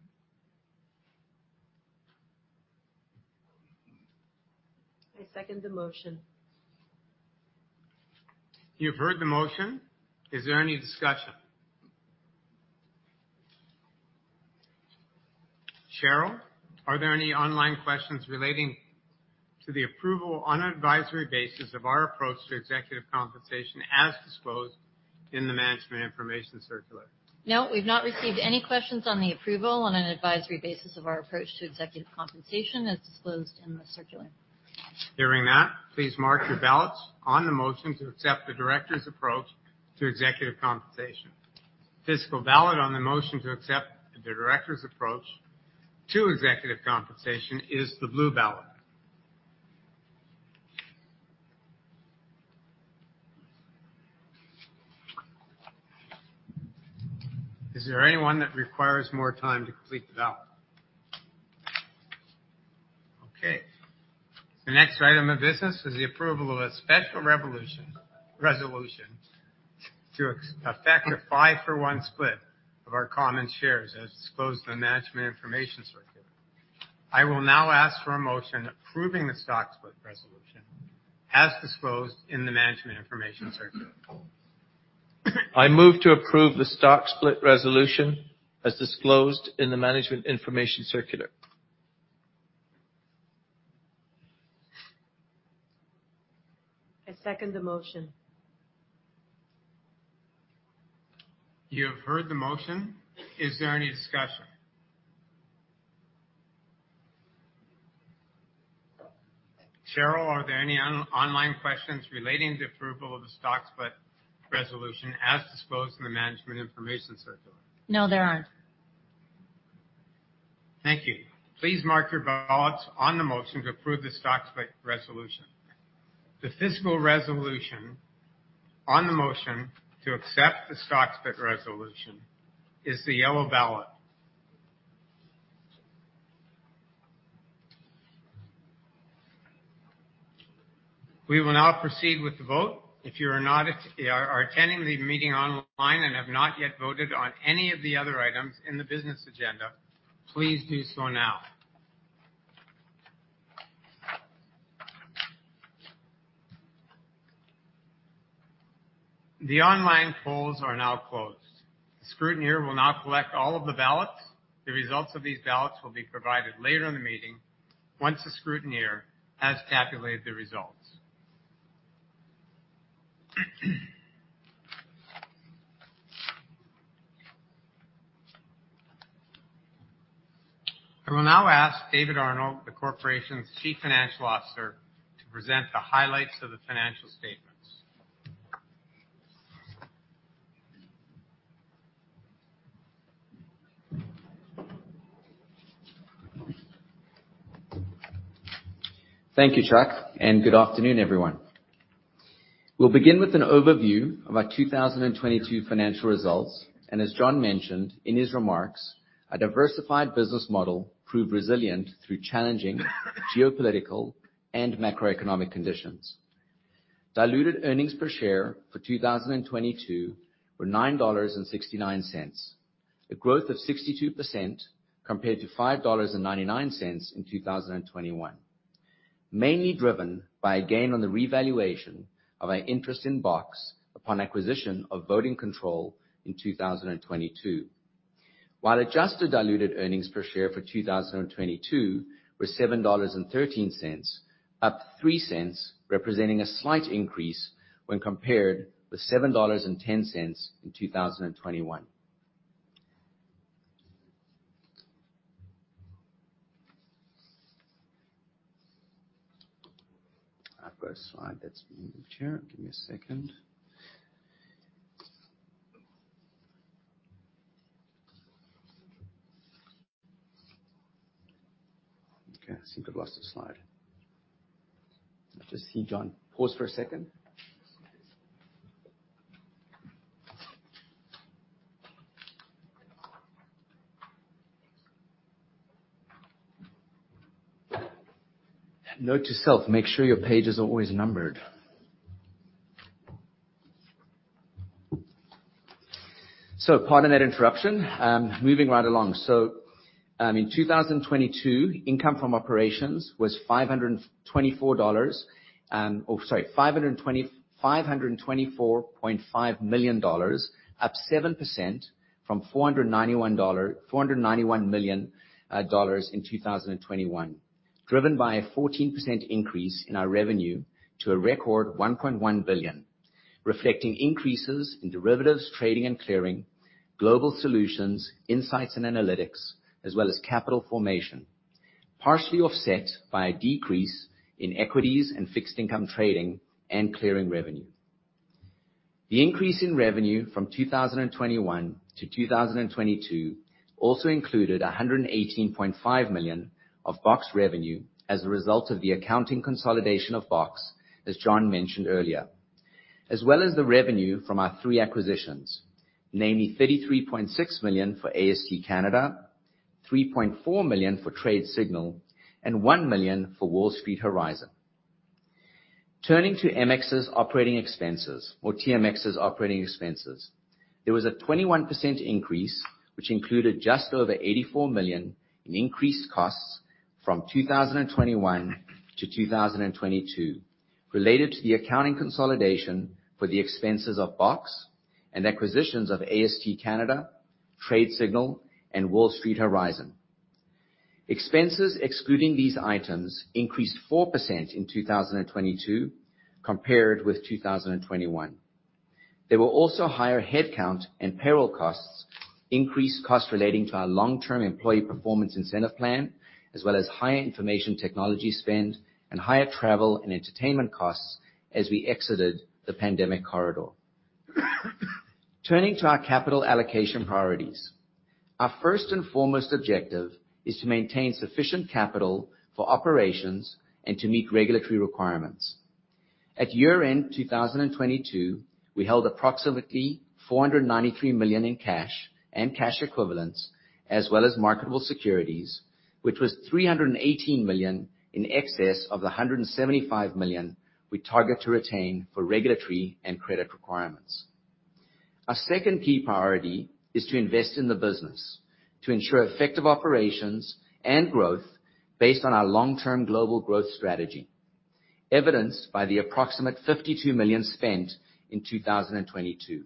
I second the motion. You've heard the motion. Is there any discussion? Cheryl, are there any online questions relating to the approval on an advisory basis of our approach to executive compensation as disclosed in the Management Information Circular? No, we've not received any questions on the approval on an advisory basis of our approach to executive compensation as disclosed in the circular. Hearing that, please mark your ballots on the motion to accept the director's approach to executive compensation. Physical ballot on the motion to accept the director's approach to executive compensation is the blue ballot. Is there anyone that requires more time to complete the ballot? Okay. The next item of business is the approval of a special resolution to effect a 5-for-1 split of our common shares as disclosed in Management Information Circular. I will now ask for a motion approving the stock split resolution as disclosed in the Management Information Circular. I move to approve the stock split resolution as disclosed in the Management Information Circular. I second the motion. You have heard the motion. Is there any discussion? Cheryl, are there any online questions relating to approval of the stock split resolution as disclosed in the Management Information Circular? No, there aren't. Thank you. Please mark your ballots on the motion to approve the stock split resolution. The physical resolution on the motion to accept the stock split resolution is the yellow ballot. We will now proceed with the vote. If you are attending the meeting online and have not yet voted on any of the other items in the business agenda, please do so now. The online polls are now closed. The scrutineer will now collect all of the ballots. The results of these ballots will be provided later in the meeting once the scrutineer has tabulated the results. I will now ask David Arnold, the corporation's Chief Financial Officer, to present the highlights of the financial statements. Thank you, Chuck. Good afternoon, everyone. We'll begin with an overview of our 2022 financial results. As John mentioned in his remarks, our diversified business model proved resilient through challenging geopolitical and macroeconomic conditions. Diluted earnings per share for 2022 were $9.69, a growth of 62% compared to $5.99 in 2021. Mainly driven by a gain on the revaluation of our interest in BOX upon acquisition of voting control in 2022. While adjusted diluted earnings per share for 2022 were $7.13, up $0.03, representing a slight increase when compared with $7.10 in 2021. I've got a slide that's moved here. Give me a second. Okay, I seem to have lost the slide. Let's just see John. Pause for a second. Note to self, make sure your page is always numbered. Pardon that interruption. Moving right along. In 2022, income from operations was 524.5 million dollars, up 7% from 491 million dollar in 2021. Driven by a 14% increase in our revenue to a record 1.1 billion, reflecting increases in derivatives, trading and clearing, global solutions, insights and analytics, as well as capital formation, partially offset by a decrease in equities and fixed income trading and clearing revenue. The increase in revenue from 2021 to 2022 also included 118.5 million of BOX revenue as a result of the accounting consolidation of BOX, as John mentioned earlier, as well as the revenue from our three acquisitions, namely 33.6 million for AST Canada, 3.4 million for Tradesignal, and 1 million for Wall Street Horizon. Turning to MX's operating expenses or TMX's operating expenses. There was a 21% increase, which included just over 84 million in increased costs from 2021 to 2022, related to the accounting consolidation for the expenses of BOX and acquisitions of AST Canada, Tradesignal, and Wall Street Horizon. Expenses excluding these items increased 4% in 2022 compared with 2021. There were also higher headcount and payroll costs, increased costs relating to our long-term employee performance incentive plan, as well as higher information technology spend, and higher travel and entertainment costs as we exited the pandemic corridor. Turning to our capital allocation priorities. Our first and foremost objective is to maintain sufficient capital for operations and to meet regulatory requirements. At year-end 2022, we held approximately 493 million in cash and cash equivalents, as well as marketable securities, which was 318 million in excess of the 175 million we target to retain for regulatory and credit requirements. Our second key priority is to invest in the business to ensure effective operations and growth based on our long-term global growth strategy, evidenced by the approximate 52 million spent in 2022.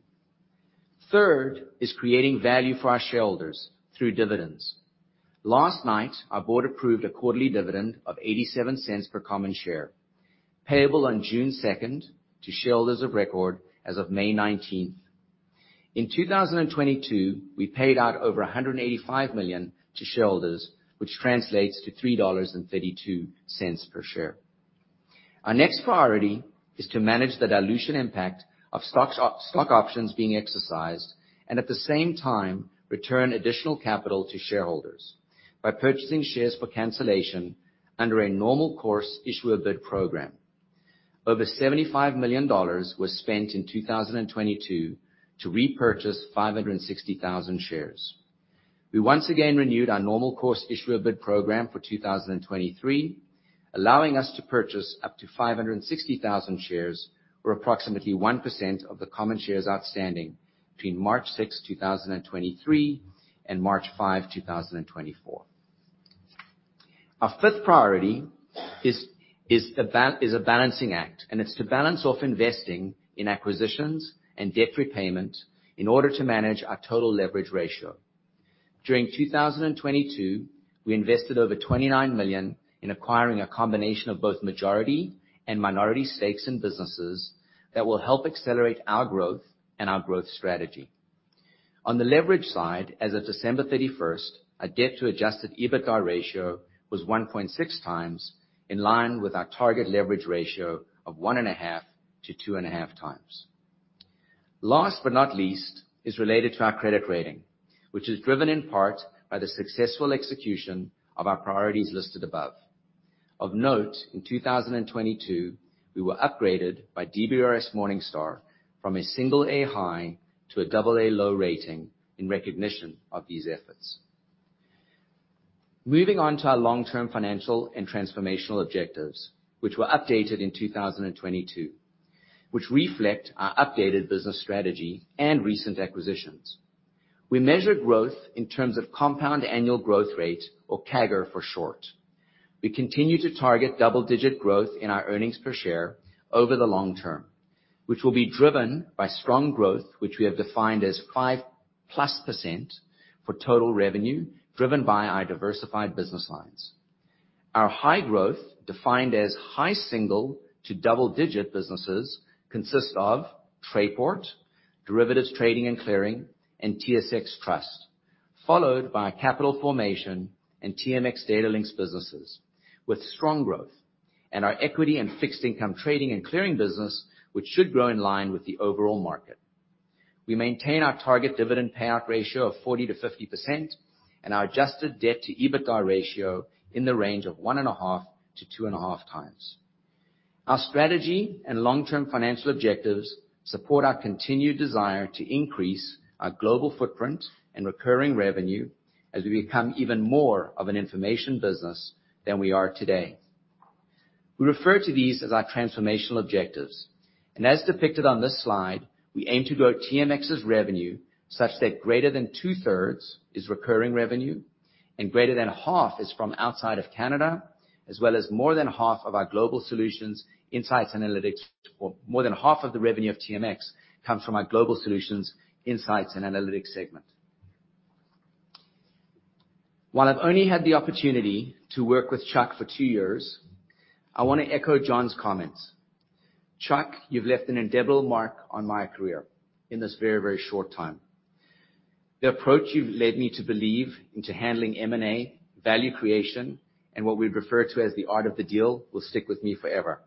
Third is creating value for our shareholders through dividends. Last night, our board approved a quarterly dividend of 0.87 per common share, payable on June 2nd to shareholders of record as of May 19th. In 2022, we paid out over 185 million to shareholders, which translates to 3.32 dollars per share. Our next priority is to manage the dilution impact of stock options being exercised and at the same time, return additional capital to shareholders by purchasing shares for cancellation under a normal course issuer bid program. Over 75 million dollars was spent in 2022 to repurchase 560,000 shares. We once again renewed our normal course issuer bid program for 2023, allowing us to purchase up to 560,000 shares or approximately 1% of the common shares outstanding between March 6, 2023 and March 5, 2024. Our fifth priority is a balancing act, It's to balance off investing in acquisitions and debt repayment in order to manage our total leverage ratio. During 2022, we invested over 29 million in acquiring a combination of both majority and minority stakes in businesses that will help accelerate our growth and our growth strategy. On the leverage side, as of December 31, our debt to adjusted EBITDA ratio was 1.6 times, in line with our target leverage ratio of 1.5 to 2.5 times. Last but not least is related to our credit rating, which is driven in part by the successful execution of our priorities listed above. Of note, in 2022, we were upgraded by DBRS Morningstar from a single A high to a double A low rating in recognition of these efforts. Moving on to our long-term financial and transformational objectives, which were updated in 2022, which reflect our updated business strategy and recent acquisitions. We measure growth in terms of compound annual growth rate or CAGR for short. We continue to target double-digit growth in our earnings per share over the long term, which will be driven by strong growth, which we have defined as 5+% for total revenue, driven by our diversified business lines. Our high growth, defined as high single to double-digit businesses, consists of Trayport, derivatives trading and clearing, and TSX Trust, followed by Capital Formation and TMX Datalinx businesses with strong growth. And our equity and fixed income trading and clearing business, which should grow in line with the overall market. We maintain our target dividend payout ratio of 40%-50% and our adjusted debt to EBITDA ratio in the range of 1.5x-2.5x. Our strategy and long-term financial objectives support our continued desire to increase our global footprint and recurring revenue as we become even more of an information business than we are today. We refer to these as our transformational objectives. As depicted on this slide, we aim to grow TMX's revenue such that greater than 2/3 is recurring revenue and greater than 1/2 is from outside of Canada, as well as more than 1/2 of our global solutions, insights and analytics, or more than 1/2 of the revenue of TMX comes from our global solutions, insights and analytics segment. While I've only had the opportunity to work with Chuck for 2 years, I wanna echo John's comments. Chuck, you've left an indelible mark on my career in this very, very short time. The approach you've led me to believe into handling M&A, value creation, and what we refer to as the art of the deal will stick with me forever.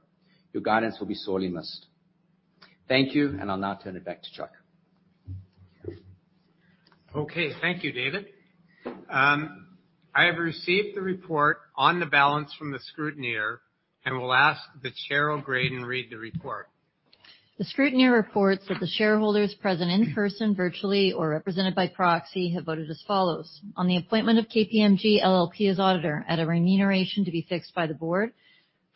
Your guidance will be sorely missed. Thank you. I'll now turn it back to Chuck. Okay. Thank you, David. I have received the report on the balance from the scrutineer and will ask that Cheryl Graden read the report. The scrutineer reports that the shareholders present in person, virtually, or represented by proxy, have voted as follows. On the appointment of KPMG LLP as auditor at a remuneration to be fixed by the board.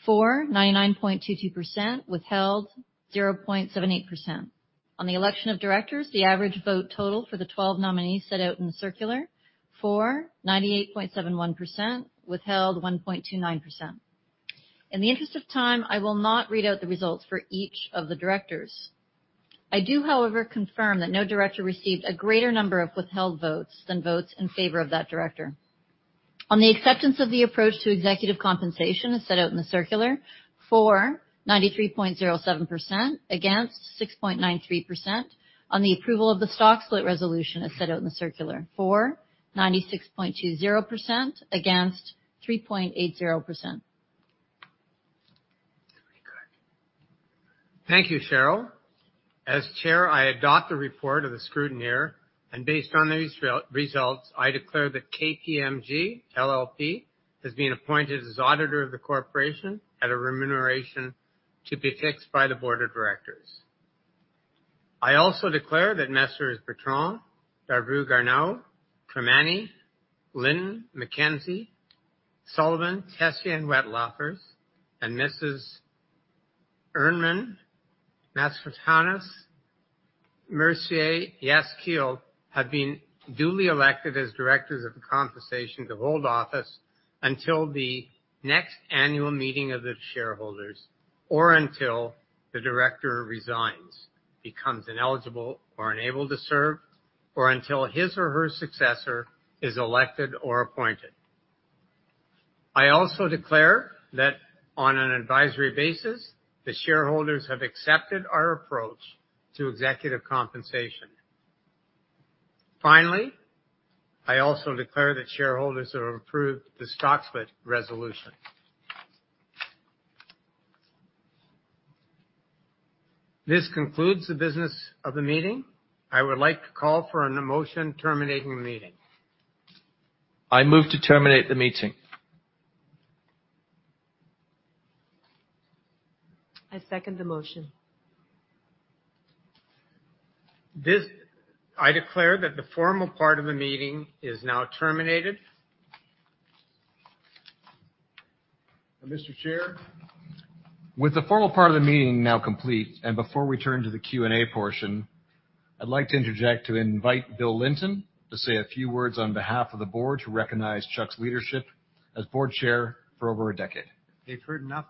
For 99.22%. Withheld 0.78%. On the election of directors, the average vote total for the 12 nominees set out in the circular. For 98.71%. Withheld 1.29%. In the interest of time, I will not read out the results for each of the directors. I do, however, confirm that no director received a greater number of withheld votes than votes in favor of that director. On the acceptance of the approach to executive compensation as set out in the circular. For 93.07%. Against 6.93%. On the approval of the stock split resolution as set out in the circular. For 96.20%. Against 3.80%. Thank you, Cheryl. As chair, I adopt the report of the scrutineer, and based on these results, I declare that KPMG LLP has been appointed as auditor of the corporation at a remuneration to be fixed by the board of directors. I also declare that Messrs. Bertrand, Darveau-Garneau, Kermani, Linton, McKenzie, Sullivan, Tessier and Wetlaufer, and Mss. Irman, Mascarenhas, Mercier, Yaskiel have been duly elected as directors at the compensation to hold office until the next annual meeting of the shareholders or until the director resigns, becomes ineligible or unable to serve, or until his or her successor is elected or appointed. I also declare that, on an advisory basis, the shareholders have accepted our approach to executive compensation. I also declare that shareholders have approved the stock split resolution. This concludes the business of the meeting. I would like to call for an a motion terminating the meeting. I move to terminate the meeting. I second the motion. I declare that the formal part of the meeting is now terminated. Mr. Chair? With the formal part of the meeting now complete, before we turn to the Q&A portion, I'd like to interject to invite Bill Linton to say a few words on behalf of the board to recognize Chuck's leadership as board chair for over a decade. They've heard enough,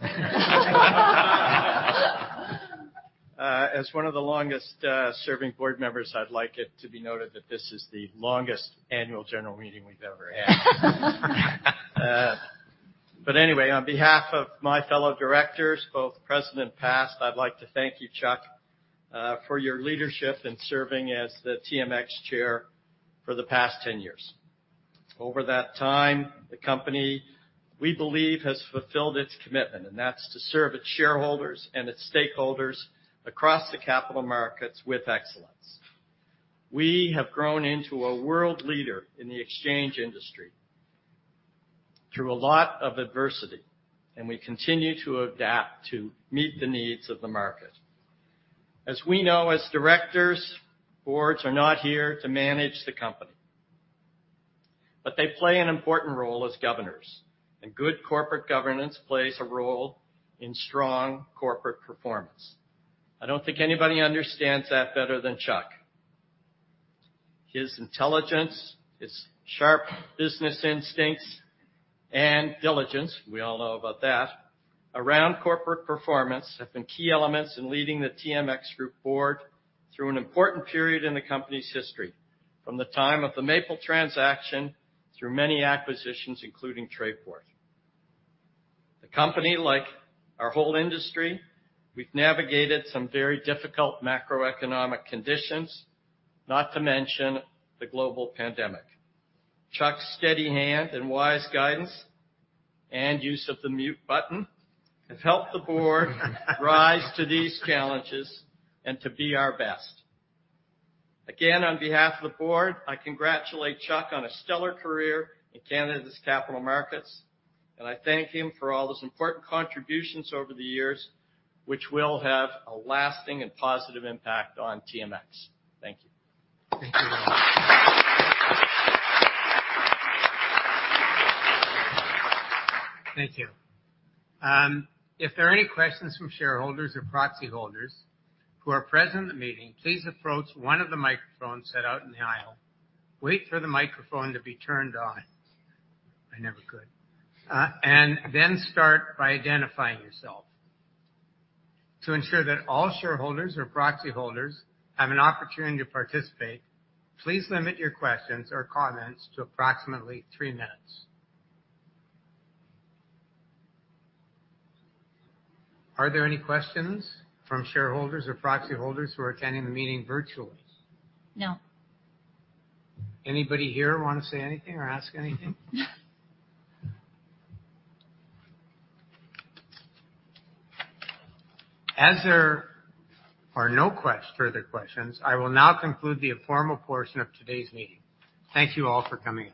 Bill. As one of the longest serving board members, I'd like it to be noted that this is the longest annual general meeting we've ever had. Anyway, on behalf of my fellow directors, both present and past, I'd like to thank you, Chuck, for your leadership in serving as the TMX Chair for the past 10 years. Over that time, the company, we believe, has fulfilled its commitment, and that's to serve its shareholders and its stakeholders across the capital markets with excellence. We have grown into a world leader in the exchange industry through a lot of adversity, and we continue to adapt to meet the needs of the market. As we know, as directors, b ards are not here to manage the company, but they play an important role as governors. Good corporate governance plays a role in strong corporate performance. I don't think anybody understands that better than Chuck. His intelligence, his sharp business instincts and diligence, we all know about that, around corporate performance have been key elements in leading the TMX Group board through an important period in the company's history, from the time of the Maple transaction, through many acquisitions, including Trayport. The company, like our whole industry, we've navigated some very difficult macroeconomic conditions, not to mention the global pandemic. Chuck's steady hand and wise guidance and use of the mute button has helped the board rise to these challenges and to be our best. Again, on behalf of the board, I congratulate Chuck on a stellar career in Canada's capital markets, and I thank him for all his important contributions over the years, which will have a lasting and positive impact on TMX. Thank you. Thank you. Thank you. If there are any questions from shareholders or proxy holders who are present in the meeting, please approach one of the microphones set out in the aisle, wait for the microphone to be turned on. I never could. Then start by identifying yourself. To ensure that all shareholders or proxy holders have an opportunity to participate, please limit your questions or comments to approximately three minutes. Are there any questions from shareholders or proxy holders who are attending the meeting virtually? No. Anybody here wanna say anything or ask anything? There are no further questions, I will now conclude the formal portion of today's meeting. Thank you all for coming.